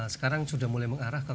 sekarang sudah mulai mengarah ke